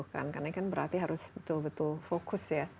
karena kan berarti harus betul betul fokus ya